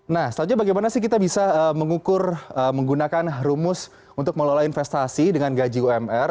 nah selanjutnya bagaimana sih kita bisa mengukur menggunakan rumus untuk melola investasi dengan gaji umr